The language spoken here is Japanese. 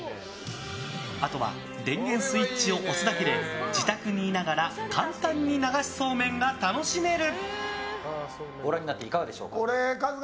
あとは電源スイッチを押すだけで自宅にいながら、簡単に流しそうめんが楽しめる。